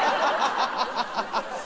ハハハハ！